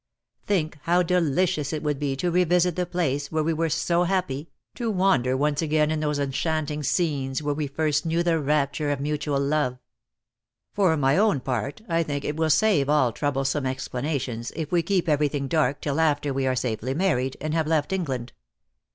Think how delicious it would be to revisit the place where we were so happy, to wander once again in those enchanting 2 24 DEAD LOVE HAS CHAINS. scenes where we first knew the rapture of mutual love. "For my own part I think it will save all troublesome explanations if we keep everything dark till after we are safely married, and have left England.